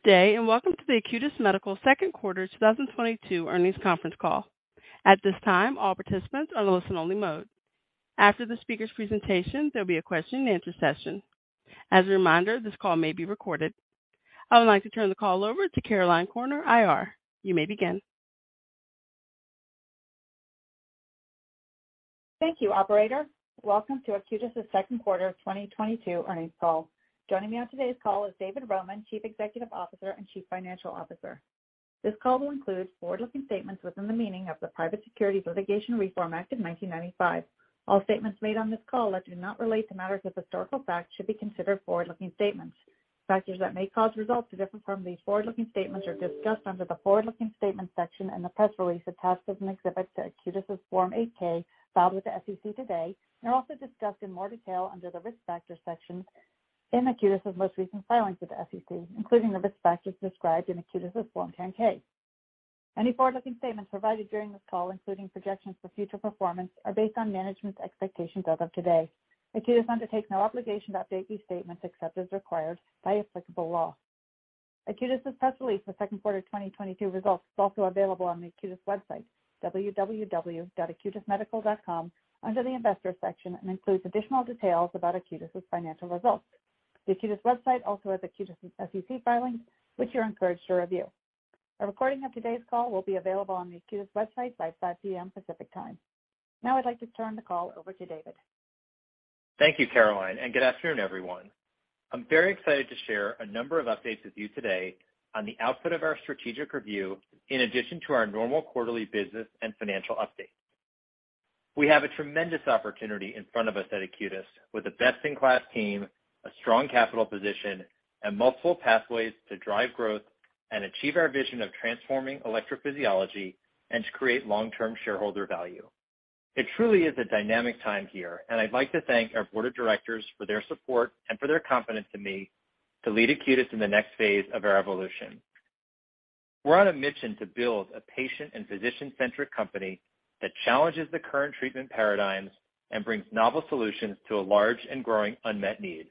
Good day, and welcome to the Acutus Medical second quarter 2022 earnings conference call. At this time, all participants are in listen-only mode. After the speaker's presentation, there'll be a question and answer session. As a reminder, this call may be recorded. I would like to turn the call over to Caroline Corner, IR. You may begin. Thank you, operator. Welcome to Acutus's second quarter 2022 earnings call. Joining me on today's call is David Roman, Chief Executive Officer and Chief Financial Officer. This call will include forward-looking statements within the meaning of the Private Securities Litigation Reform Act of 1995. All statements made on this call that do not relate to matters of historical fact should be considered forward-looking statements. Factors that may cause results to differ from these forward-looking statements are discussed under the Forward-Looking Statements section in the press release attached as an exhibit to Acutus's Form 8-K filed with the SEC today. They're also discussed in more detail under the Risk Factors section in Acutus's most recent filings with the SEC, including the risk factors described in Acutus's Form 10-K. Any forward-looking statements provided during this call, including projections for future performance, are based on management's expectations as of today. Acutus undertakes no obligation to update these statements except as required by applicable law. Acutus's press release for second quarter 2022 results is also available on the Acutus website, www.acutusmedical.com, under the Investors section, and includes additional details about Acutus's financial results. The Acutus website also has Acutus' SEC filings, which you're encouraged to review. A recording of today's call will be available on the Acutus website by 5:00 P.M. Pacific Time. Now I'd like to turn the call over to David. Thank you, Caroline, and good afternoon, everyone. I'm very excited to share a number of updates with you today on the output of our strategic review in addition to our normal quarterly business and financial update. We have a tremendous opportunity in front of us at Acutus with a best-in-class team, a strong capital position, and multiple pathways to drive growth and achieve our vision of transforming electrophysiology and to create long-term shareholder value. It truly is a dynamic time here, and I'd like to thank our board of directors for their support and for their confidence in me to lead Acutus in the next phase of our evolution. We're on a mission to build a patient and physician-centric company that challenges the current treatment paradigms and brings novel solutions to a large and growing unmet need.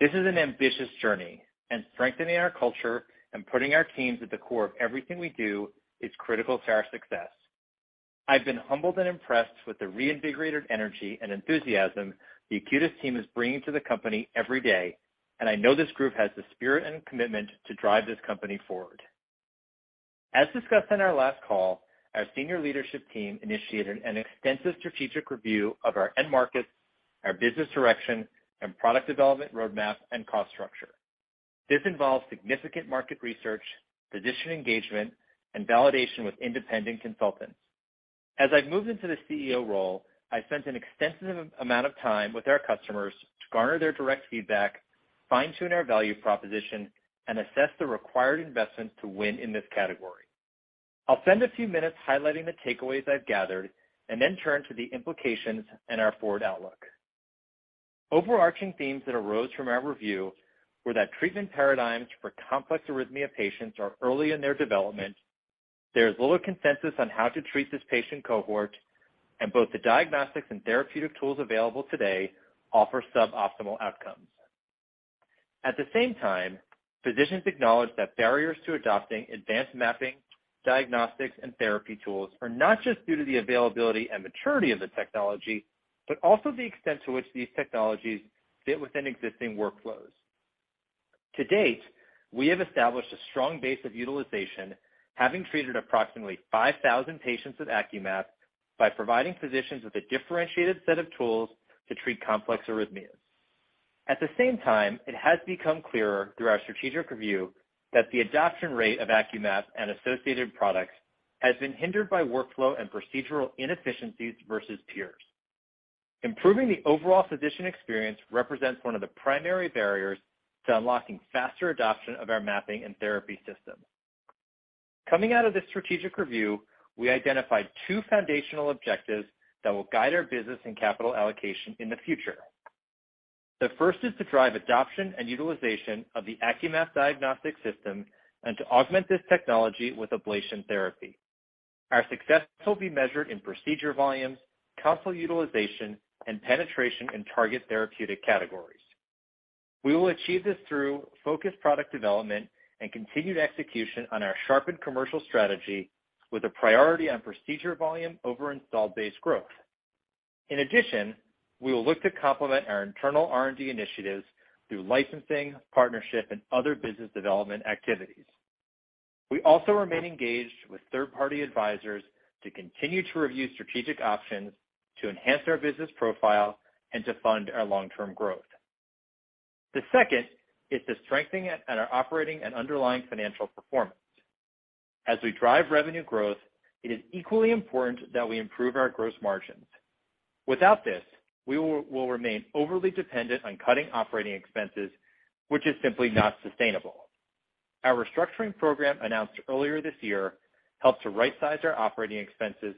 This is an ambitious journey, and strengthening our culture and putting our teams at the core of everything we do is critical to our success. I've been humbled and impressed with the reinvigorated energy and enthusiasm the Acutus team is bringing to the company every day, and I know this group has the spirit and commitment to drive this company forward. As discussed on our last call, our senior leadership team initiated an extensive strategic review of our end markets, our business direction, and product development roadmap and cost structure. This involves significant market research, physician engagement, and validation with independent consultants. As I've moved into the CEO role, I've spent an extensive amount of time with our customers to garner their direct feedback, fine-tune our value proposition, and assess the required investments to win in this category. I'll spend a few minutes highlighting the takeaways I've gathered and then turn to the implications and our forward outlook. Overarching themes that arose from our review were that treatment paradigms for complex arrhythmia patients are early in their development. There is little consensus on how to treat this patient cohort, and both the diagnostics and therapeutic tools available today offer sub-optimal outcomes. At the same time, physicians acknowledge that barriers to adopting advanced mapping, diagnostics, and therapy tools are not just due to the availability and maturity of the technology, but also the extent to which these technologies fit within existing workflows. To date, we have established a strong base of utilization, having treated approximately 5,000 patients with AcQMap by providing physicians with a differentiated set of tools to treat complex arrhythmias. At the same time, it has become clearer through our strategic review that the adoption rate of AcQMap and associated products has been hindered by workflow and procedural inefficiencies versus peers. Improving the overall physician experience represents one of the primary barriers to unlocking faster adoption of our mapping and therapy system. Coming out of this strategic review, we identified two foundational objectives that will guide our business and capital allocation in the future. The first is to drive adoption and utilization of the AcQMap diagnostic system and to augment this technology with ablation therapy. Our success will be measured in procedure volumes, console utilization, and penetration in target therapeutic categories. We will achieve this through focused product development and continued execution on our sharpened commercial strategy with a priority on procedure volume over installed base growth. In addition, we will look to complement our internal R&D initiatives through licensing, partnership, and other business development activities. We also remain engaged with third-party advisors to continue to review strategic options to enhance our business profile and to fund our long-term growth. The second is to strengthen our operating and underlying financial performance. As we drive revenue growth, it is equally important that we improve our gross margins. Without this, we will remain overly dependent on cutting operating expenses, which is simply not sustainable. Our restructuring program announced earlier this year helped to right-size our operating expenses,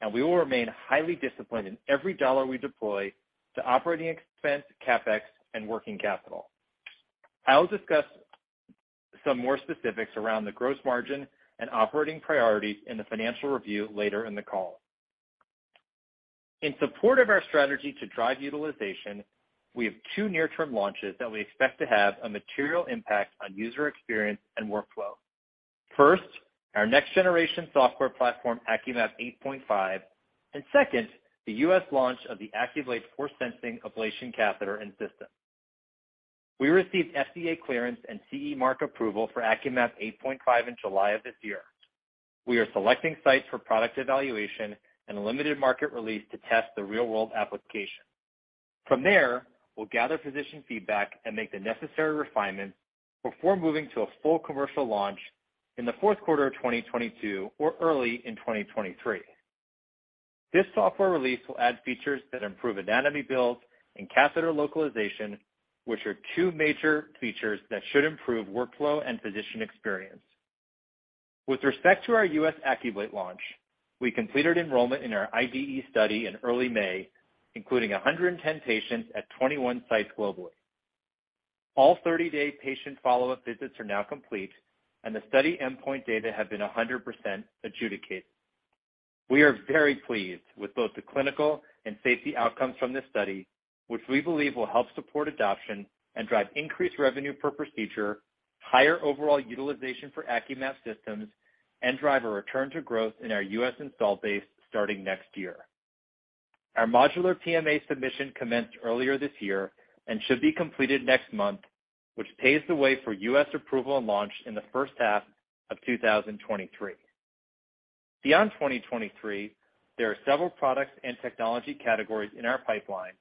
and we will remain highly disciplined in every dollar we deploy to operating expense, CapEx, and working capital. I will discuss some more specifics around the gross margin and operating priorities in the financial review later in the call. In support of our strategy to drive utilization, we have two near-term launches that we expect to have a material impact on user experience and workflow. First, our next generation software platform, AcQMap 8.5, and second, the U.S. launch of the AcQBlate Force Sensing Ablation Catheter and System. We received FDA clearance and CE mark approval for AcQMap 8.5 in July of this year. We are selecting sites for product evaluation and a limited market release to test the real-world application. From there, we'll gather physician feedback and make the necessary refinements before moving to a full commercial launch in the fourth quarter of 2022 or early in 2023. This software release will add features that improve anatomy builds and catheter localization, which are two major features that should improve workflow and physician experience. With respect to our U.S. AcQBlate launch, we completed enrollment in our IDE study in early May, including 110 patients at 21 sites globally. All 30-day patient follow-up visits are now complete, and the study endpoint data have been 100% adjudicated. We are very pleased with both the clinical and safety outcomes from this study, which we believe will help support adoption and drive increased revenue per procedure, higher overall utilization for AcQMap systems, and drive a return to growth in our U.S. install base starting next year. Our modular PMA submission commenced earlier this year and should be completed next month, which paves the way for U.S. approval and launch in the first half of 2023. Beyond 2023, there are several products and technology categories in our pipeline,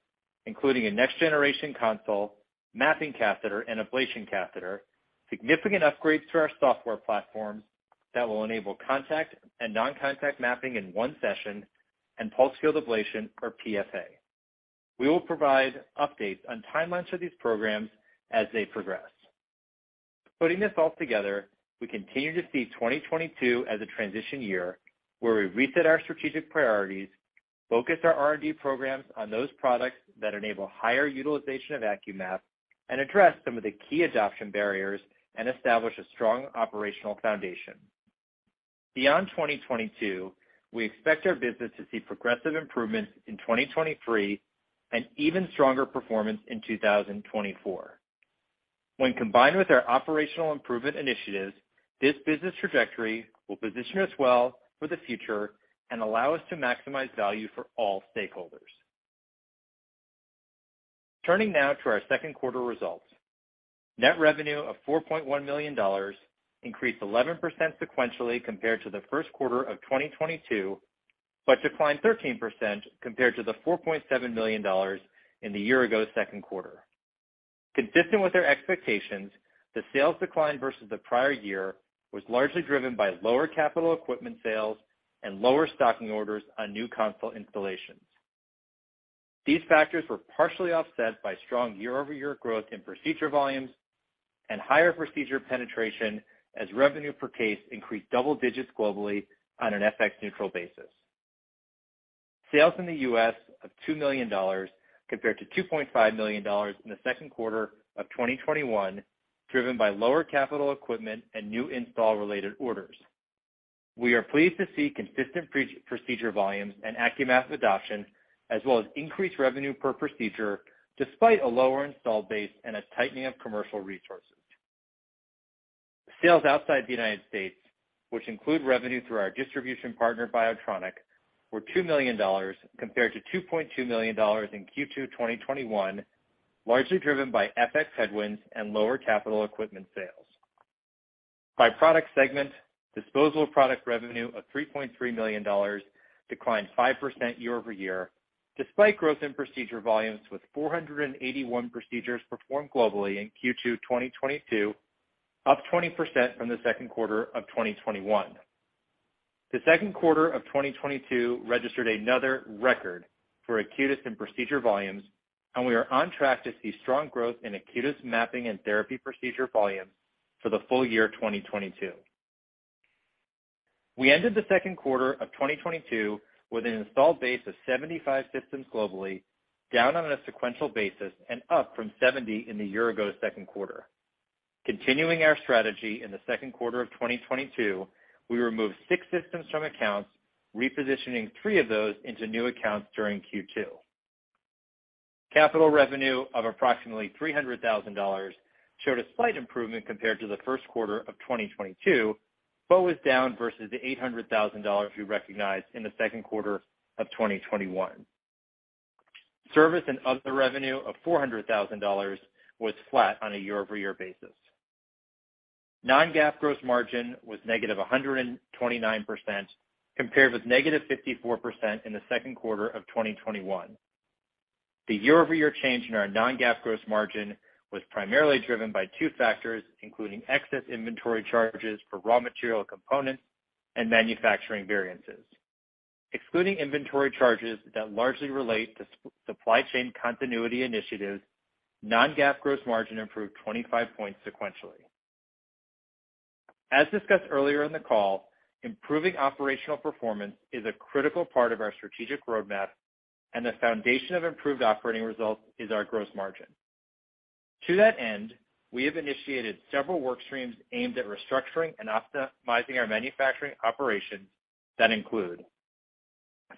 including a next generation console, mapping catheter and ablation catheter, significant upgrades to our software platform that will enable contact and non-contact mapping in one session, and pulsed field ablation or PFA. We will provide updates on timelines for these programs as they progress. Putting this all together, we continue to see 2022 as a transition year where we reset our strategic priorities, focus our R&D programs on those products that enable higher utilization of AcQMap, and address some of the key adoption barriers and establish a strong operational foundation. Beyond 2022, we expect our business to see progressive improvements in 2023 and even stronger performance in 2024. When combined with our operational improvement initiatives, this business trajectory will position us well for the future and allow us to maximize value for all stakeholders. Turning now to our second quarter results. Net revenue of $4.1 million increased 11% sequentially compared to the first quarter of 2022, but declined 13% compared to the $4.7 million in the year-ago second quarter. Consistent with our expectations, the sales decline versus the prior year was largely driven by lower capital equipment sales and lower stocking orders on new console installations. These factors were partially offset by strong year-over-year growth in procedure volumes and higher procedure penetration as revenue per case increased double digits globally on an FX neutral basis. Sales in the U.S. of $2 million compared to $2.5 million in the second quarter of 2021, driven by lower capital equipment and new install related orders. We are pleased to see consistent pre-procedure volumes and AcQMap adoption, as well as increased revenue per procedure despite a lower install base and a tightening of commercial resources. Sales outside the United States, which include revenue through our distribution partner, Biotronik, were $2 million compared to $2.2 million in Q2 2021, largely driven by FX headwinds and lower capital equipment sales. By product segment, disposable product revenue of $3.3 million declined 5% year-over-year despite growth in procedure volumes with 481 procedures performed globally in Q2 2022, up 20% from the second quarter of 2021. The second quarter of 2022 registered another record for Acutus in procedure volumes, and we are on track to see strong growth in Acutus mapping and therapy procedure volumes for the full-year 2022. We ended the second quarter of 2022 with an installed base of 75 systems globally, down on a sequential basis and up from 70 in the year-ago second quarter. Continuing our strategy in the second quarter of 2022, we removed six systems from accounts, repositioning three of those into new accounts during Q2. Capital revenue of approximately $300,000 showed a slight improvement compared to the first quarter of 2022, but was down versus the $800,000 we recognized in the second quarter of 2021. Service and other revenue of $400,000 was flat on a year-over-year basis. Non-GAAP gross margin was -129% compared with -54% in the second quarter of 2021. The year-over-year change in our non-GAAP gross margin was primarily driven by two factors, including excess inventory charges for raw material components and manufacturing variances. Excluding inventory charges that largely relate to supply chain continuity initiatives, non-GAAP gross margin improved 25 points sequentially. As discussed earlier in the call, improving operational performance is a critical part of our strategic roadmap, and the foundation of improved operating results is our gross margin. To that end, we have initiated several work streams aimed at restructuring and optimizing our manufacturing operations that include,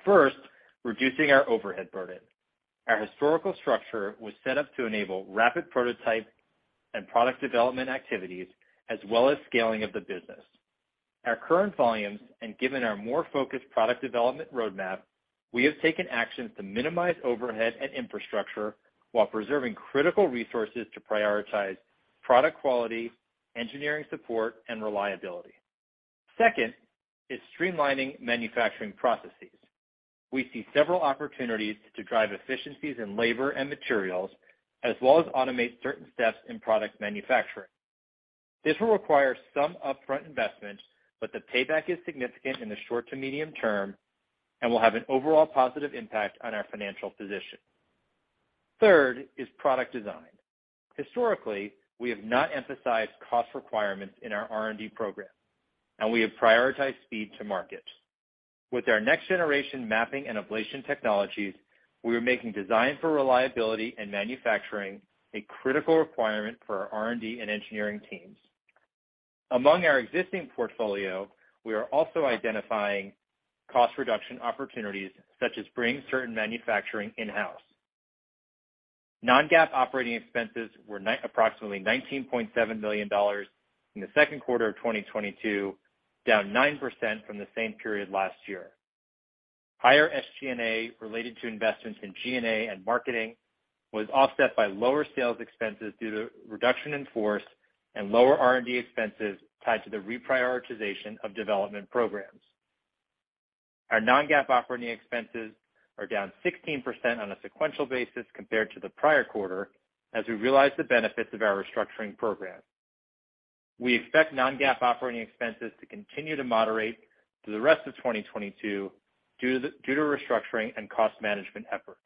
first, reducing our overhead burden. Our historical structure was set up to enable rapid prototype and product development activities as well as scaling of the business. Our current volumes, and given our more focused product development roadmap, we have taken actions to minimize overhead and infrastructure while preserving critical resources to prioritize product quality, engineering support, and reliability. Second is streamlining manufacturing processes. We see several opportunities to drive efficiencies in labor and materials, as well as automate certain steps in product manufacturing. This will require some upfront investment, but the payback is significant in the short to medium term and will have an overall positive impact on our financial position. Third is product design. Historically, we have not emphasized cost requirements in our R&D program, and we have prioritized speed to market. With our next-generation mapping and ablation technologies, we are making design for reliability and manufacturing a critical requirement for our R&D and engineering teams. Among our existing portfolio, we are also identifying cost reduction opportunities such as bringing certain manufacturing in-house. Non-GAAP operating expenses were approximately $19.7 million in the second quarter of 2022, down 9% from the same period last year. Higher SG&A related to investments in G&A and marketing was offset by lower sales expenses due to reduction in force and lower R&D expenses tied to the reprioritization of development programs. Our non-GAAP operating expenses are down 16% on a sequential basis compared to the prior quarter as we realize the benefits of our restructuring program. We expect non-GAAP operating expenses to continue to moderate through the rest of 2022 due to restructuring and cost management efforts.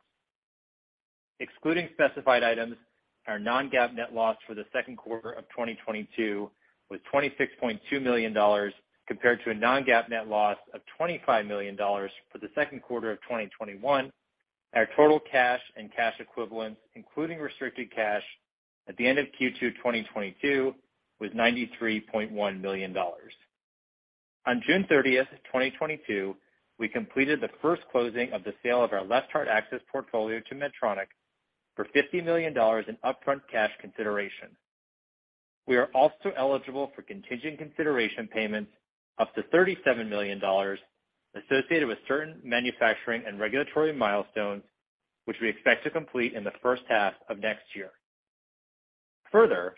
Excluding specified items, our non-GAAP net loss for the second quarter of 2022 was $26.2 million compared to a non-GAAP net loss of $25 million for the second quarter of 2021. Our total cash and cash equivalents, including restricted cash at the end of Q2 2022 was $93.1 million. On June 30th, 2022, we completed the first closing of the sale of our left-heart access portfolio to Medtronic for $50 million in upfront cash consideration. We are also eligible for contingent consideration payments up to $37 million associated with certain manufacturing and regulatory milestones, which we expect to complete in the first half of next year. Further,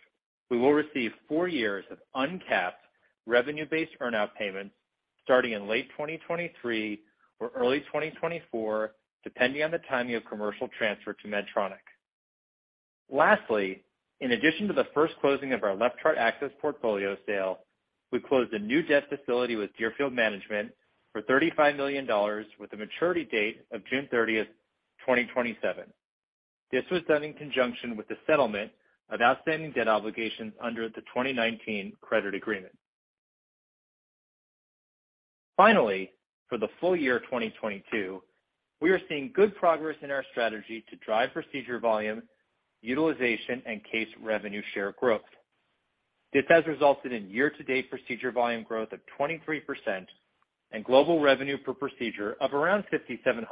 we will receive four years of uncapped revenue-based earn-out payments starting in late 2023 or early 2024, depending on the timing of commercial transfer to Medtronic. Lastly, in addition to the first closing of our left-heart access portfolio sale, we closed a new debt facility with Deerfield Management for $35 million with a maturity date of June 30th, 2027. This was done in conjunction with the settlement of outstanding debt obligations under the 2019 credit agreement. Finally, for the full-year 2022, we are seeing good progress in our strategy to drive procedure volume, utilization, and case revenue share growth. This has resulted in year-to-date procedure volume growth of 23% and global revenue per procedure of around $5,700,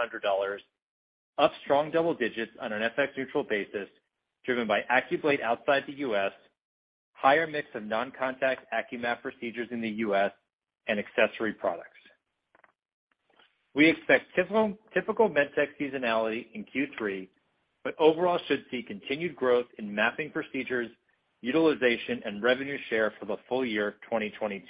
up strong double digits on an FX neutral basis, driven by AcQBlate outside the U.S., higher mix of non-contact AcQMap procedures in the U.S., and accessory products. We expect typical med tech seasonality in Q3, but overall should see continued growth in mapping procedures, utilization, and revenue share for the full-year 2022.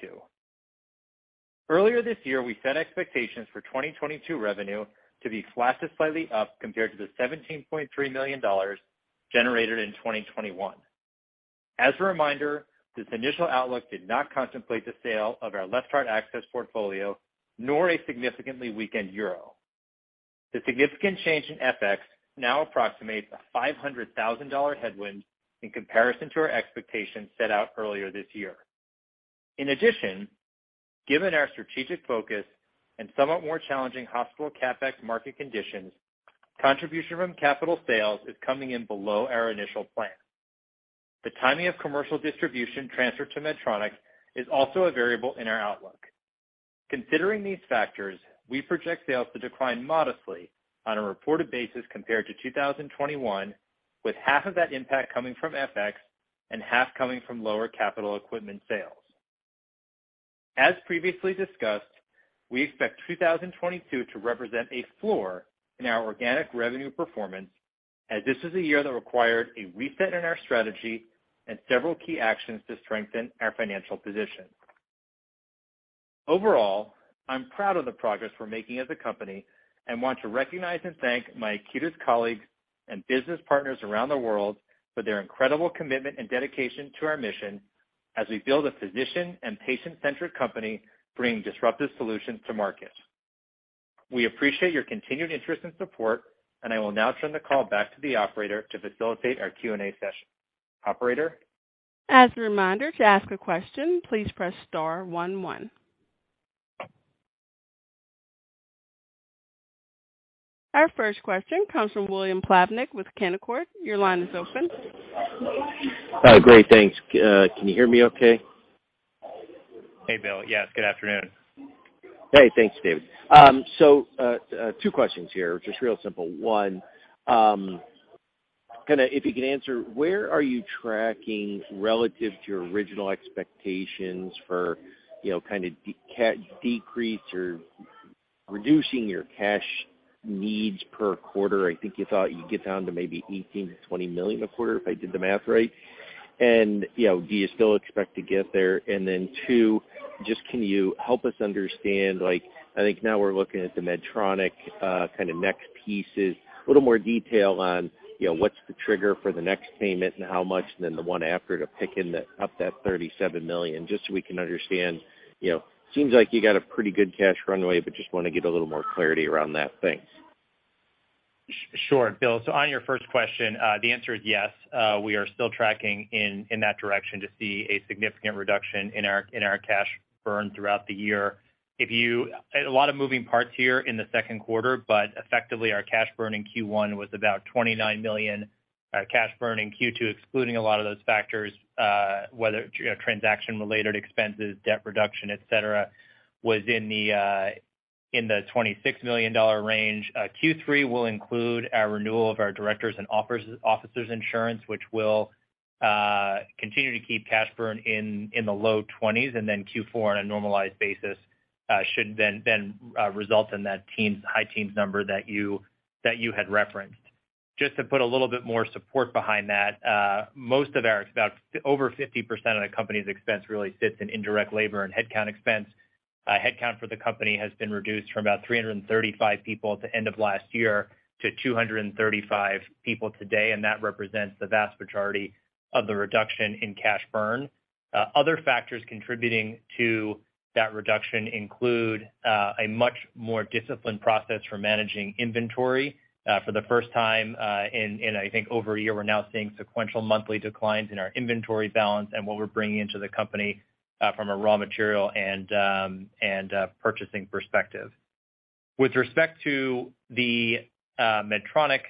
Earlier this year, we set expectations for 2022 revenue to be flat to slightly up compared to the $17.3 million generated in 2021. As a reminder, this initial outlook did not contemplate the sale of our left-heart access portfolio, nor a significantly weakened euro. The significant change in FX now approximates a $500,000 headwind in comparison to our expectations set out earlier this year. In addition, given our strategic focus and somewhat more challenging hospital CapEx market conditions, contribution from capital sales is coming in below our initial plan. The timing of commercial distribution transfer to Medtronic is also a variable in our outlook. Considering these factors, we project sales to decline modestly on a reported basis compared to 2021, with half of that impact coming from FX and half coming from lower capital equipment sales. As previously discussed, we expect 2022 to represent a floor in our organic revenue performance as this is a year that required a reset in our strategy and several key actions to strengthen our financial position. Overall, I'm proud of the progress we're making as a company and want to recognize and thank my Acutus colleagues and business partners around the world for their incredible commitment and dedication to our mission as we build a physician and patient-centric company bringing disruptive solutions to market. We appreciate your continued interest and support, and I will now turn the call back to the operator to facilitate our Q&A session. Operator? As a reminder, to ask a question, please press star one one. Our first question comes from William Plovanic with Canaccord. Your line is open. Hi, great, thanks. Can you hear me okay? Hey, Bill. Yes, good afternoon. Hey, thanks, David. So, two questions here, just real simple. One, kind of if you can answer, where are you tracking relative to your original expectations for, you know, kind of cash decrease or reducing your cash needs per quarter? I think you thought you'd get down to maybe $18 million-$20 million a quarter, if I did the math right. You know, do you still expect to get there? Two, just can you help us understand, like I think now we're looking at the Medtronic kind of next pieces, a little more detail on, you know, what's the trigger for the next payment and how much, and then the one after to pick up that $37 million, just so we can understand. You know, seems like you got a pretty good cash runway, but just wanna get a little more clarity around that. Thanks. Sure, Bill. On your first question, the answer is yes. We are still tracking in that direction to see a significant reduction in our cash burn throughout the year. A lot of moving parts here in the second quarter, but effectively, our cash burn in Q1 was about $29 million. Our cash burn in Q2, excluding a lot of those factors, whether, you know, transaction-related expenses, debt reduction, et cetera, was in the $26 million range. Q3 will include our renewal of our directors' and officers' insurance, which will continue to keep cash burn in the low 20s. Q4, on a normalized basis, should result in that high teens number that you had referenced. Just to put a little bit more support behind that, most of our about over 50% of the company's expense really sits in indirect labor and headcount expense. Headcount for the company has been reduced from about 335 people at the end of last year to 235 people today, and that represents the vast majority of the reduction in cash burn. Other factors contributing to that reduction include a much more disciplined process for managing inventory. For the first time, in I think over a year, we're now seeing sequential monthly declines in our inventory balance and what we're bringing into the company from a raw material and purchasing perspective. With respect to the Medtronic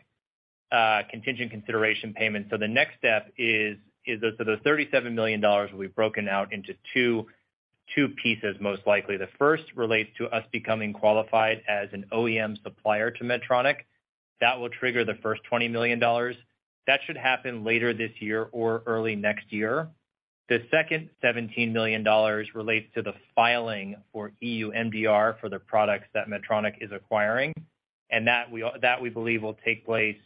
contingent consideration payment, the next step is those of those $37 million will be broken out into two pieces most likely. The first relates to us becoming qualified as an OEM supplier to Medtronic. That will trigger the first $20 million. That should happen later this year or early next year. The second $17 million relates to the filing for EU MDR for the products that Medtronic is acquiring, and that we believe will take place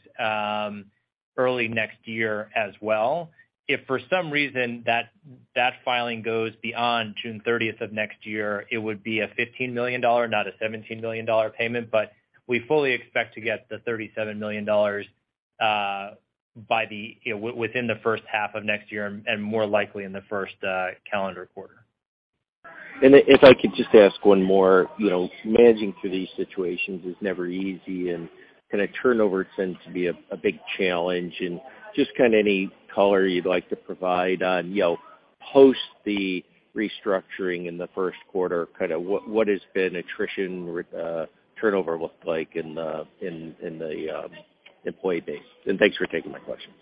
early next year as well. If for some reason that filing goes beyond June 30th of next year, it would be a $15 million, not a $17 million payment. We fully expect to get the $37 million by the you know within the first half of next year and more likely in the first calendar quarter. If I could just ask one more. You know, managing through these situations is never easy and kind of turnover tends to be a big challenge. Just kind of any color you'd like to provide on, you know, post the restructuring in the first quarter, kind of what has been attrition turnover looked like in the employee base. Thanks for taking my questions.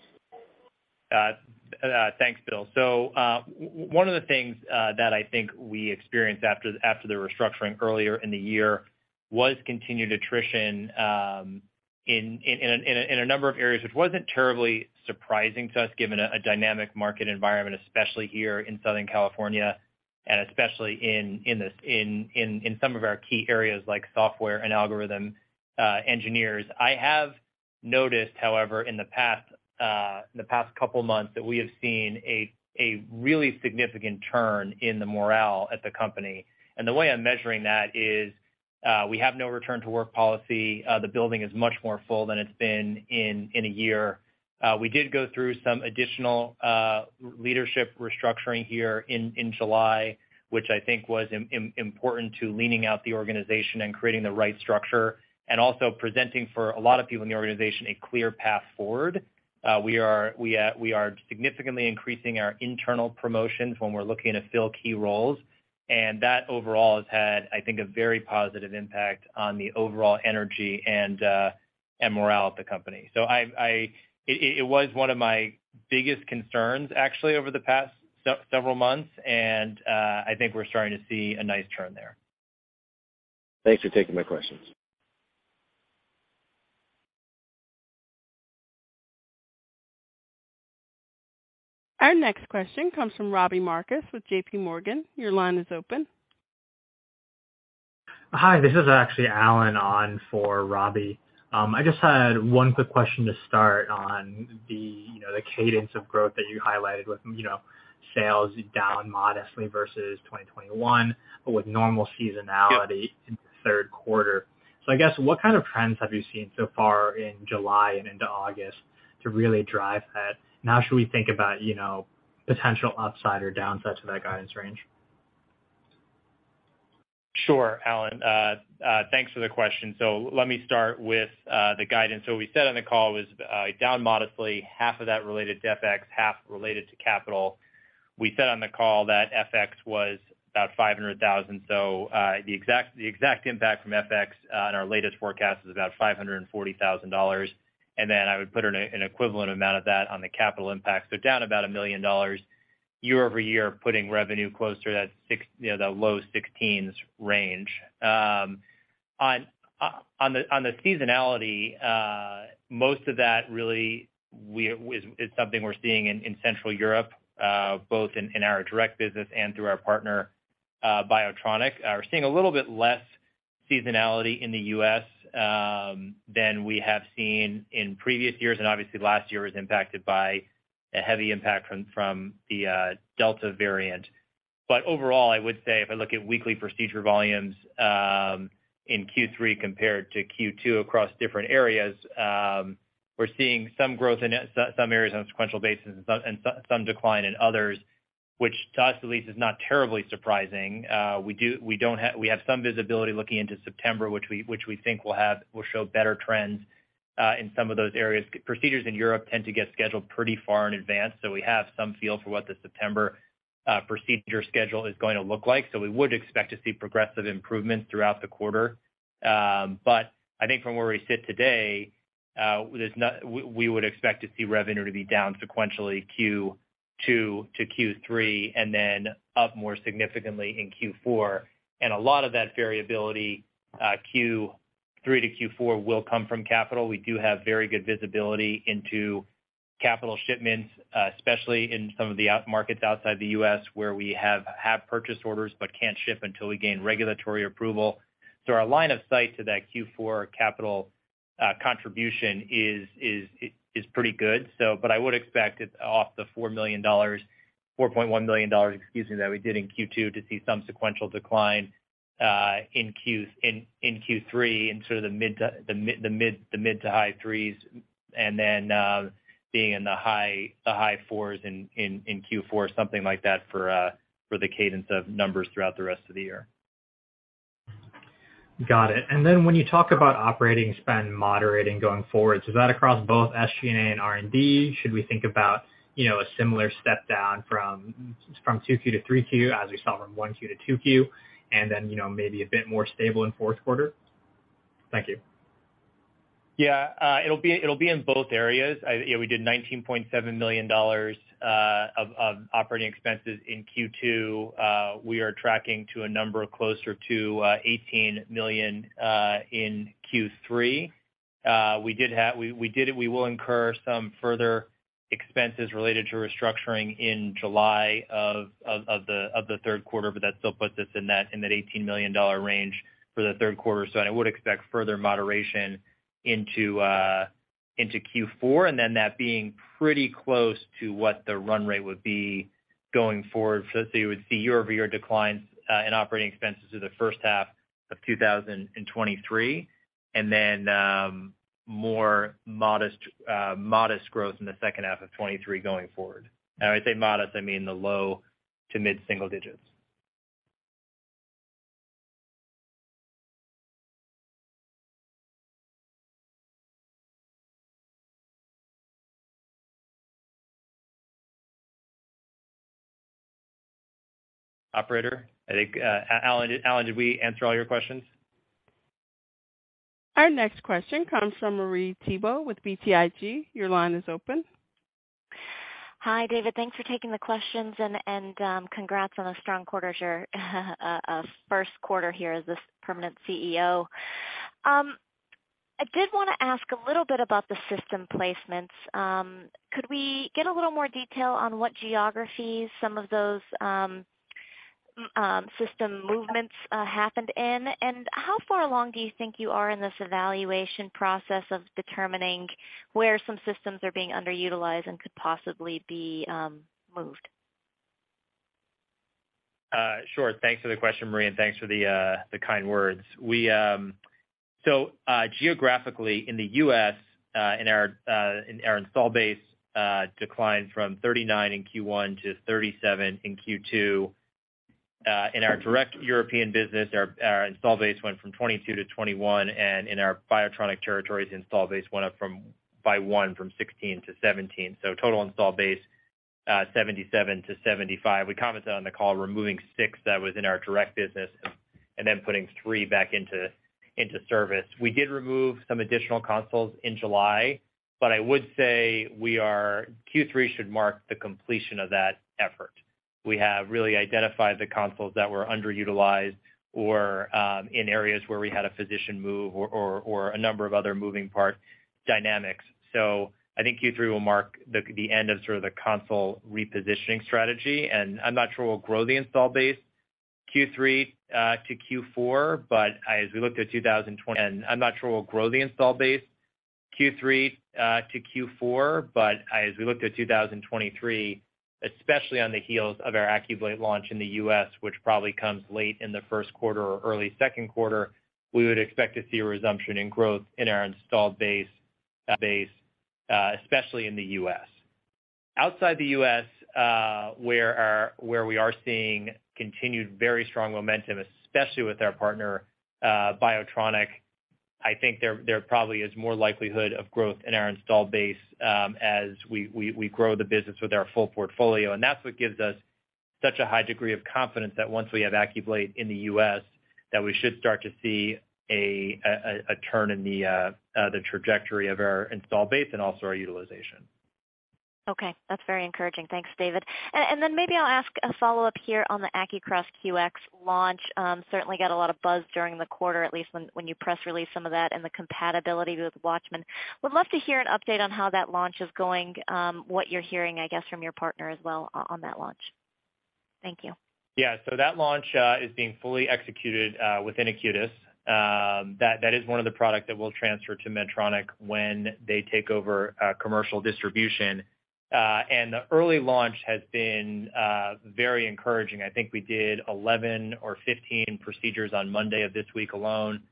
Thanks, Bill. One of the things that I think we experienced after the restructuring earlier in the year was continued attrition in a number of areas, which wasn't terribly surprising to us, given a dynamic market environment, especially here in Southern California and especially in some of our key areas like software and algorithm engineers. I have noticed, however, in the past couple months, that we have seen a really significant turn in the morale at the company. The way I'm measuring that is we have no return to work policy. The building is much more full than it's been in a year. We did go through some additional leadership restructuring here in July, which I think was important to leaning out the organization and creating the right structure and also presenting for a lot of people in the organization a clear path forward. We are significantly increasing our internal promotions when we're looking to fill key roles, and that overall has had, I think, a very positive impact on the overall energy and morale at the company. It was one of my biggest concerns actually over the past several months, and I think we're starting to see a nice turn there. Thanks for taking my questions. Our next question comes from Robbie Marcus with JPMorgan. Your line is open. Hi, this is actually Alan on for Robbie. I just had one quick question to start on the, you know, the cadence of growth that you highlighted with, you know, sales down modestly versus 2021, but with normal seasonality. Yep. in the third quarter. I guess, what kind of trends have you seen so far in July and into August to really drive that? And how should we think about, you know, potential upside or downside to that guidance range? Sure, Alan. Thanks for the question. Let me start with the guidance. We said on the call it was down modestly, half of that related to FX, half related to capital. We said on the call that FX was about $500,000. The exact impact from FX on our latest forecast is about $540,000. Then I would put an equivalent amount of that on the capital impact. Down about $1 million year-over-year, putting revenue closer to that, you know, the low 16s range. On the seasonality, most of that really is something we're seeing in Central Europe, both in our direct business and through our partner Biotronik. We're seeing a little bit less seasonality in the U.S., than we have seen in previous years. Obviously, last year was impacted by a heavy impact from the Delta variant. Overall, I would say if I look at weekly procedure volumes in Q3 compared to Q2 across different areas, we're seeing some growth in some areas on a sequential basis and some decline in others, which to us at least is not terribly surprising. We have some visibility looking into September, which we think will show better trends in some of those areas. Procedures in Europe tend to get scheduled pretty far in advance, so we have some feel for what the September procedure schedule is going to look like. We would expect to see progressive improvements throughout the quarter. I think from where we sit today, we would expect to see revenue to be down sequentially Q2 to Q3 and then up more significantly in Q4. A lot of that variability, Q3 to Q4, will come from capital. We do have very good visibility into capital shipments, especially in some of the export markets outside the U.S., where we have purchase orders but can't ship until we gain regulatory approval. Our line of sight to that Q4 capital contribution is pretty good. I would expect it off the $4 million, $4.1 million, excuse me, that we did in Q2 to see some sequential decline in Q3 and sort of the mid- to high-3s. Being in the high-4s in Q4, something like that for the cadence of numbers throughout the rest of the year. Got it. When you talk about operating spend moderating going forward, is that across both SG&A and R&D? Should we think about, you know, a similar step down from 2Q to 3Q, as we saw from 1Q to 2Q, and then, you know, maybe a bit more stable in fourth quarter? Thank you. Yeah. It'll be in both areas. We did $19.7 million of operating expenses in Q2. We are tracking to a number closer to $18 million in Q3. We will incur some further expenses related to restructuring in July of the third quarter, but that still puts us in that $18 million range for the third quarter. I would expect further moderation into Q4, and then that being pretty close to what the run rate would be going forward. Let's say you would see year-over-year declines in operating expenses through the first half of 2023, and then more modest growth in the second half of 2023 going forward. When I say modest, I mean the low to mid-single digits. Operator, I think, Alan, did we answer all your questions? Our next question comes from Marie Thibault with BTIG. Your line is open. Hi, David. Thanks for taking the questions and congrats on a strong quarter as your first quarter here as this permanent CEO. I did want to ask a little bit about the system placements. Could we get a little more detail on what geographies some of those system movements happened in? How far along do you think you are in this evaluation process of determining where some systems are being underutilized and could possibly be moved? Sure. Thanks for the question, Marie, and thanks for the kind words. Geographically in the U.S., our installed base declined from 39 in Q1 to 37 in Q2. In our direct European business, our installed base went from 22 to 21, and in our Biotronik territories, installed base went up by one from 16 to 17. Total installed base 77 to 75. We commented on the call, removing six that was in our direct business and then putting three back into service. We did remove some additional consoles in July, but I would say Q3 should mark the completion of that effort. We have really identified the consoles that were underutilized or in areas where we had a physician move or a number of other moving part dynamics. I think Q3 will mark the end of sort of the console repositioning strategy. I'm not sure we'll grow the install base Q3 to Q4, but as we looked at 2023, especially on the heels of our AcQBlate launch in the U.S., which probably comes late in the first quarter or early second quarter, we would expect to see a resumption in growth in our installed base, especially in the U.S. Outside the U.S., where we are seeing continued very strong momentum, especially with our partner, Biotronik. I think there probably is more likelihood of growth in our installed base, as we grow the business with our full portfolio. That's what gives us such a high degree of confidence that once we have AcQBlate in the U.S., that we should start to see a turn in the trajectory of our installed base and also our utilization. Okay. That's very encouraging. Thanks, David. Maybe I'll ask a follow-up here on the AcQCross Qx launch. Certainly got a lot of buzz during the quarter, at least when you press released some of that and the compatibility with Watchman. Would love to hear an update on how that launch is going, what you're hearing, I guess, from your partner as well on that launch. Thank you. Yeah. That launch is being fully executed within Acutus. That is one of the products that we'll transfer to Medtronic when they take over commercial distribution. The early launch has been very encouraging. I think we did 11 or 15 procedures on Monday of this week alone,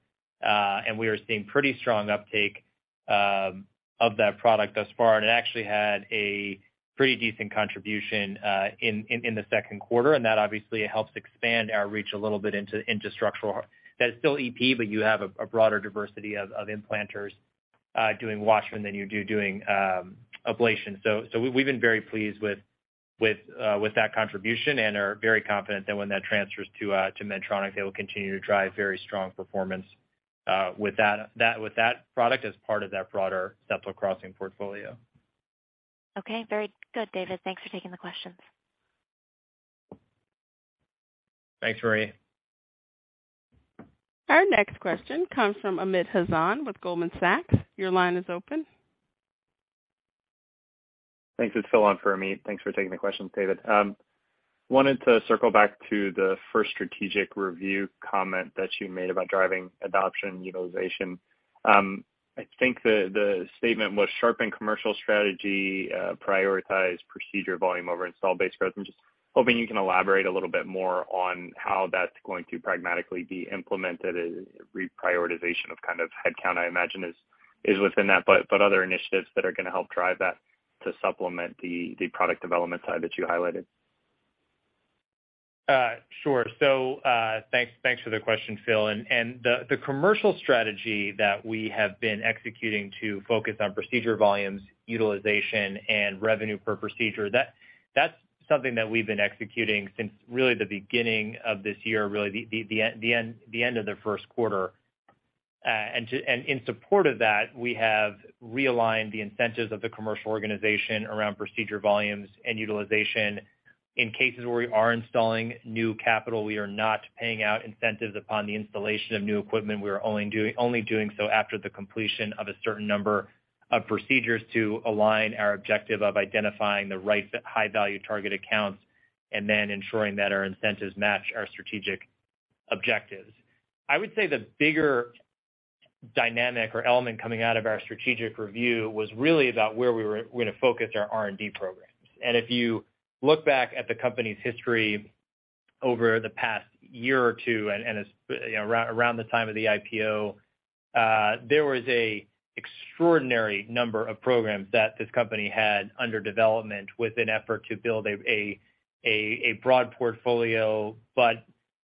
and we are seeing pretty strong uptake of that product thus far. It actually had a pretty decent contribution in the second quarter, and that obviously helps expand our reach a little bit into structural. That is still EP, but you have a broader diversity of implanters doing Watchman than you do doing ablation. We've been very pleased with that contribution and are very confident that when that transfers to Medtronic, they will continue to drive very strong performance with that product as part of that broader septal crossing portfolio. Okay. Very good, David. Thanks for taking the questions. Thanks, Marie. Our next question comes from Amit Hazan with Goldman Sachs. Your line is open. Thanks. It's Phil on for Amit. Thanks for taking the questions, David. Wanted to circle back to the first strategic review comment that you made about driving adoption utilization. I think the statement was sharpen commercial strategy, prioritize procedure volume over install base growth. I'm just hoping you can elaborate a little bit more on how that's going to pragmatically be implemented. Reprioritization of kind of headcount, I imagine is within that, but other initiatives that are going to help drive that to supplement the product development side that you highlighted. Sure. Thanks for the question, Phil. The commercial strategy that we have been executing to focus on procedure volumes, utilization, and revenue per procedure, that's something that we've been executing since really the beginning of this year, really the end of the first quarter. In support of that, we have realigned the incentives of the commercial organization around procedure volumes and utilization. In cases where we are installing new capital, we are not paying out incentives upon the installation of new equipment. We are only doing so after the completion of a certain number of procedures to align our objective of identifying the right high-value target accounts and then ensuring that our incentives match our strategic objectives. I would say the bigger dynamic or element coming out of our strategic review was really about where we're going to focus our R&D programs. If you look back at the company's history over the past year or two and, you know, around the time of the IPO, there was an extraordinary number of programs that this company had under development with an effort to build a broad portfolio.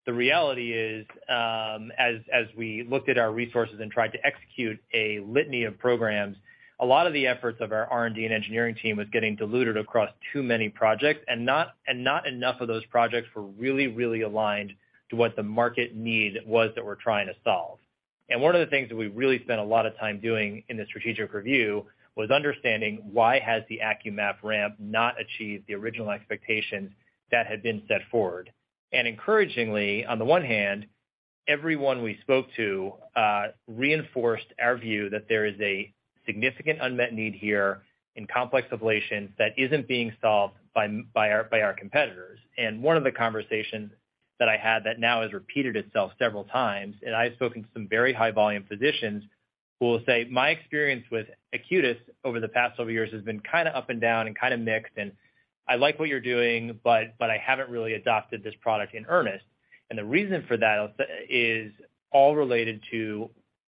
The reality is, as we looked at our resources and tried to execute a litany of programs, a lot of the efforts of our R&D and engineering team was getting diluted across too many projects, and not enough of those projects were really, really aligned to what the market need was that we're trying to solve. One of the things that we really spent a lot of time doing in the strategic review was understanding why has the AcQMap ramp not achieved the original expectations that had been set forward. Encouragingly, on the one hand, everyone we spoke to reinforced our view that there is a significant unmet need here in complex ablation that isn't being solved by our competitors. One of the conversations that I had that now has repeated itself several times, and I've spoken to some very high volume physicians who will say, "My experience with Acutus over the past several years has been kinda up and down and kinda mixed, and I like what you're doing, but I haven't really adopted this product in earnest." The reason for that is all related to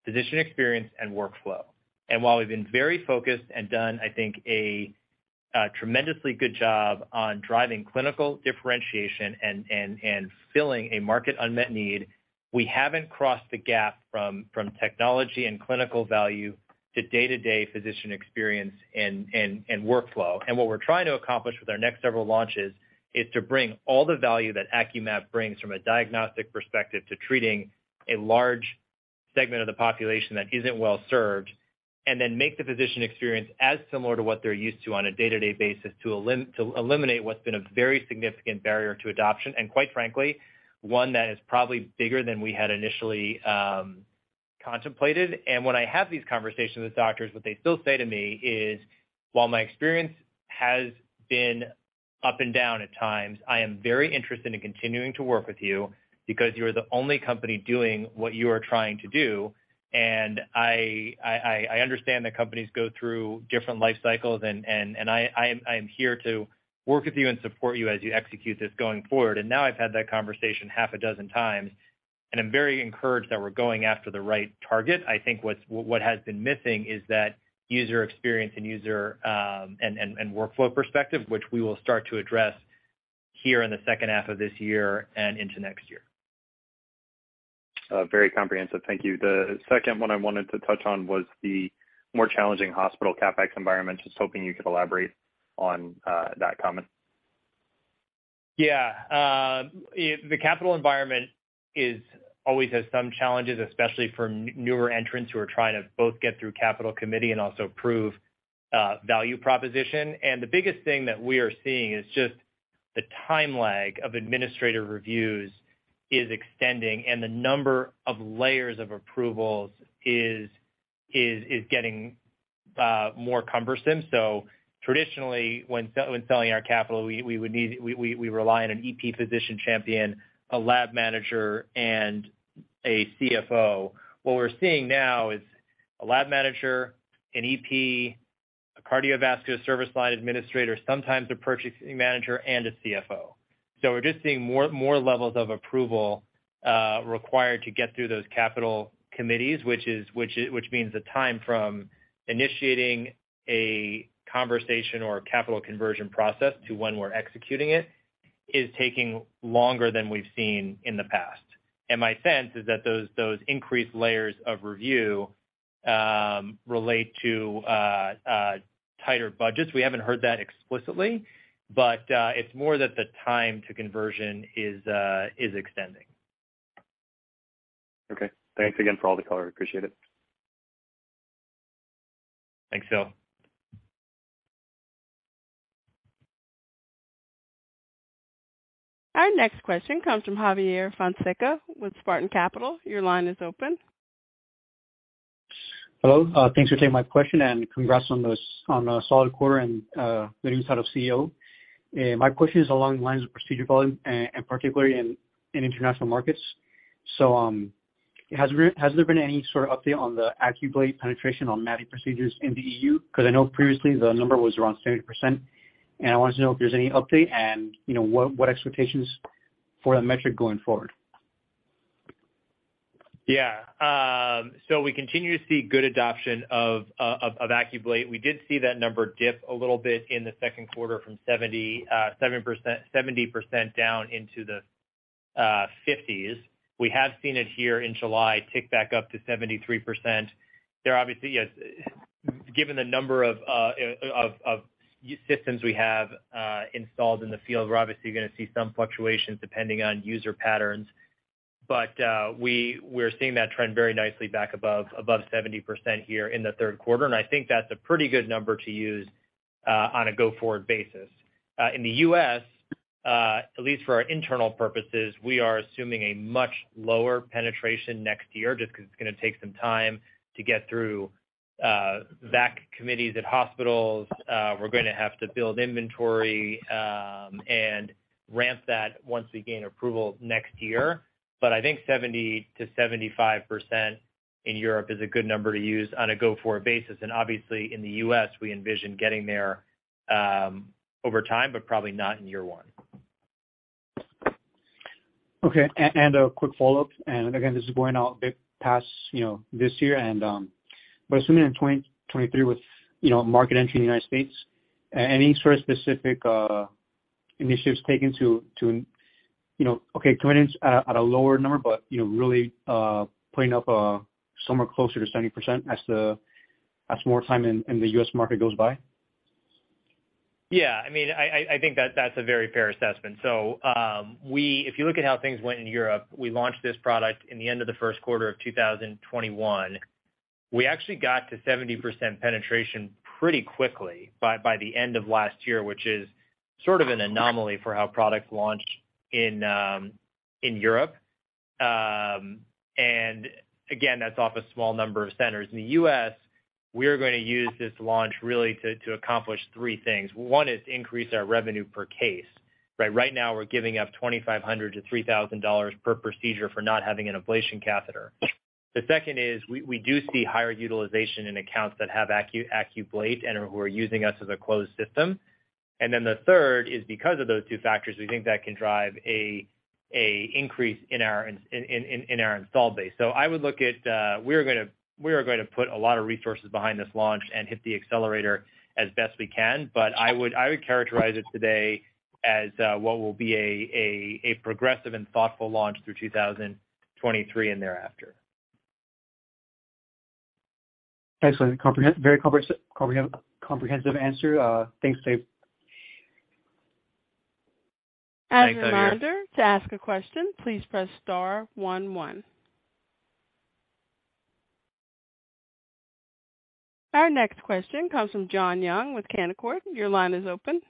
physician experience and workflow. While we've been very focused and done, I think, a tremendously good job on driving clinical differentiation and filling a market unmet need, we haven't crossed the gap from technology and clinical value to day-to-day physician experience and workflow. What we're trying to accomplish with our next several launches is to bring all the value that AcQMap brings from a diagnostic perspective to treating a large segment of the population that isn't well-served, and then make the physician experience as similar to what they're used to on a day-to-day basis to eliminate what's been a very significant barrier to adoption, and quite frankly, one that is probably bigger than we had initially contemplated. When I have these conversations with doctors, what they still say to me is, "While my experience has been up and down at times, I am very interested in continuing to work with you because you are the only company doing what you are trying to do. And I understand that companies go through different life cycles, and I am here to work with you and support you as you execute this going forward." Now I've had that conversation half a dozen times, and I'm very encouraged that we're going after the right target. I think what has been missing is that user experience and user and workflow perspective, which we will start to address here in the second half of this year and into next year. Very comprehensive. Thank you. The second one I wanted to touch on was the more challenging hospital CapEx environment. Just hoping you could elaborate on that comment. The capital environment is always has some challenges, especially for newer entrants who are trying to both get through capital committee and also prove value proposition. The biggest thing that we are seeing is just the time lag of administrative reviews is extending and the number of layers of approvals is getting more cumbersome. Traditionally, when selling our capital, we rely on an EP physician champion, a lab manager and a CFO. What we're seeing now is a lab manager, an EP, a cardiovascular service line administrator, sometimes a purchasing manager and a CFO. We're just seeing more levels of approval required to get through those capital committees, which means the time from initiating a conversation or a capital conversion process to when we're executing it is taking longer than we've seen in the past. My sense is that those increased layers of review relate to tighter budgets. We haven't heard that explicitly, but it's more that the time to conversion is extending. Okay. Thanks again for all the color. Appreciate it. Thanks, Phil. Our next question comes from Javier Fonseca with Spartan Capital. Your line is open. Hello. Thanks for taking my question and congrats on the solid core and the new title of CEO. My question is along the lines of procedure volume and particularly in international markets. Has there been any sort of update on the AcQBlate penetration on AcQMap procedures in the E.U.? Because I know previously the number was around 70%, and I wanted to know if there's any update and what expectations for that metric going forward. So we continue to see good adoption of AcQBlate. We did see that number dip a little bit in the second quarter from 77%, 70% down into the 50s. We have seen it here in July tick back up to 73%. Yes, given the number of systems we have installed in the field, we're obviously gonna see some fluctuations depending on user patterns. We're seeing that trend very nicely back above 70% here in the third quarter, and I think that's a pretty good number to use on a go-forward basis. In the U.S., at least for our internal purposes, we are assuming a much lower penetration next year just because it's gonna take some time to get through VAC committees at hospitals. We're gonna have to build inventory, and ramp that once we gain approval next year. I think 70%-75% in Europe is a good number to use on a go-forward basis. Obviously in the U.S., we envision getting there, over time, but probably not in year one. Okay. A quick follow-up, and again, this is going out a bit past, you know, this year and, but assuming in 2023 with, you know, market entry in the United States, any sort of specific initiatives taken to, you know, come in at a lower number, but, you know, really putting up somewhere closer to 70% as more time in the U.S. market goes by? Yeah. I mean, I think that's a very fair assessment. If you look at how things went in Europe, we launched this product in the end of the first quarter of 2021. We actually got to 70% penetration pretty quickly by the end of last year, which is sort of an anomaly for how products launch in Europe. Again, that's off a small number of centers. In the U.S., we are gonna use this launch really to accomplish three things. One is to increase our revenue per case, right? Right now, we're giving up $2,500-$3,000 per procedure for not having an ablation catheter. The second is we do see higher utilization in accounts that have AcQBlate and who are using us as a closed system. The third is because of those two factors, we think that can drive an increase in our installed base. I would look at, we are going to put a lot of resources behind this launch and hit the accelerator as best we can. I would characterize it today as what will be a progressive and thoughtful launch through 2023 and thereafter. Excellent. Comprehensive answer. Thanks, David. Thanks, Javier. As a reminder, to ask a question, please press star one one. Our next question comes from Jon Young with Canaccord. Your line is open.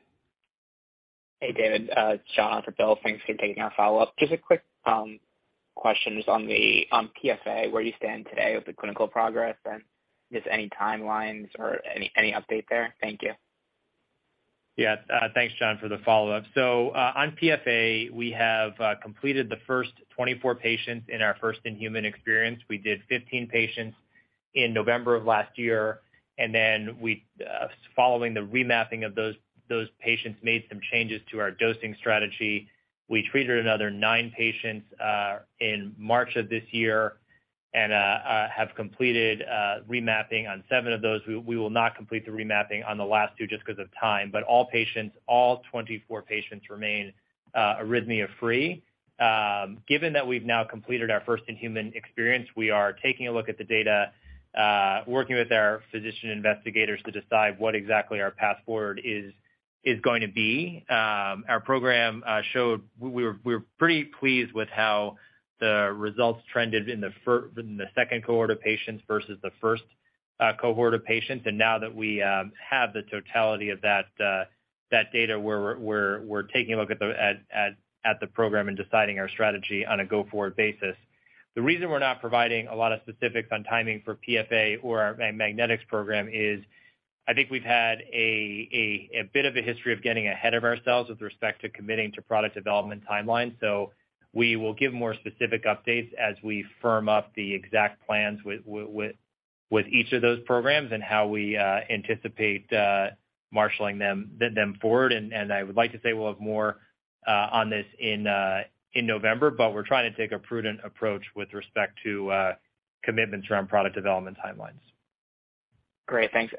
Hey, David. Jon for Bill. Thanks for taking our follow-up. Just a quick questions on PFA, where you stand today with the clinical progress and just any timelines or any update there? Thank you. Yeah. Thanks, Jon, for the follow-up. On PFA, we have completed the first 24 patients in our first in-human experience. We did 15 patients in November of last year, and then we following the remapping of those patients made some changes to our dosing strategy. We treated another nine patients in March of this year and have completed remapping on seven of those. We will not complete the remapping on the last two just 'cause of time, but all patients, all 24 patients remain arrhythmia-free. Given that we've now completed our first in-human experience, we are taking a look at the data working with our physician investigators to decide what exactly our path forward is going to be. Our program showed we're pretty pleased with how the results trended in the second cohort of patients versus the first cohort of patients. Now that we have the totality of that data, we're taking a look at the program and deciding our strategy on a go-forward basis. The reason we're not providing a lot of specifics on timing for PFA or our magnetics program is I think we've had a bit of a history of getting ahead of ourselves with respect to committing to product development timelines. We will give more specific updates as we firm up the exact plans with each of those programs and how we anticipate marshaling them forward. I would like to say we'll have more on this in November, but we're trying to take a prudent approach with respect to commitments around product development timelines. Great. Thanks.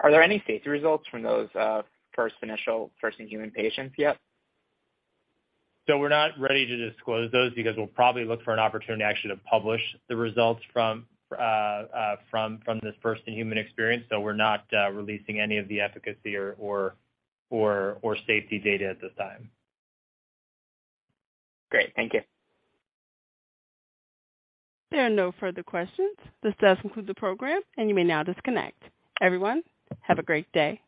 Are there any safety results from those first-in-human patients yet? We're not ready to disclose those because we'll probably look for an opportunity actually to publish the results from this first-in-human experience. We're not releasing any of the efficacy or safety data at this time. Great. Thank you. There are no further questions. This does conclude the program, and you may now disconnect. Everyone, have a great day.